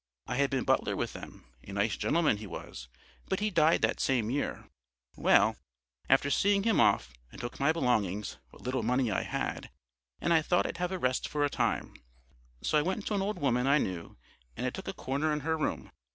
I had been butler with them; a nice gentleman he was, but he died that same year. Well, after seeing him off, I took my belongings, what little money I had, and I thought I'd have a rest for a time, so I went to an old woman I knew, and I took a corner in her room.